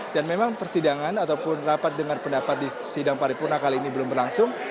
dan memang persidangan ataupun rapat dengan pendapat di sidang paripurna kali ini belum berlangsung